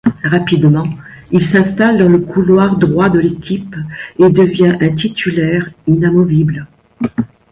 Rapidement, il s'installe dans le couloir droit de l'équipe et devient un titulaire inamovible.